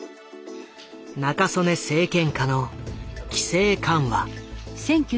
中曽根政権下の規制緩和。